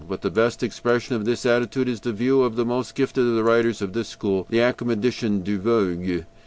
But the best expression of this attitude is the view of the most gifted of the writers of this school, the academician de Vogüé.